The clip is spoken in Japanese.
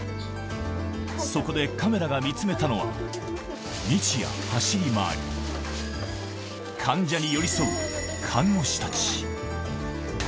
そこでカメラが見つめたのは、日夜、走り回り、患者に寄り添う看護師たち。